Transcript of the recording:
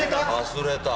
忘れた。